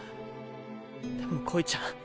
でも恋ちゃん